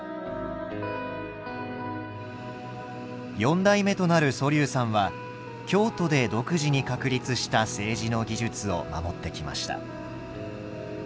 四代目となる蘇嶐さんは京都で独自に確立した青磁の技術を守ってきました。